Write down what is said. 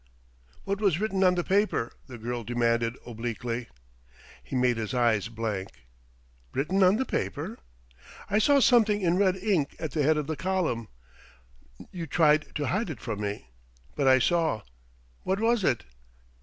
"What was written on the paper?" the girl demanded obliquely. He made his eyes blank: "Written on the paper ?" "I saw something in red ink at the head of the column. You tried to hide it from me, but I saw.... What was it?"